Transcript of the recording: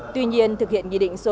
tuy nhiên thực hiện nghị định số một